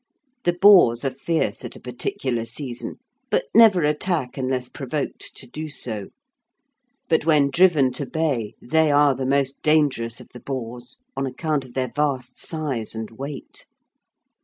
The boars are fierce at a particular season, but never attack unless provoked to do so. But when driven to bay they are the most dangerous of the boars, on account of their vast size and weight.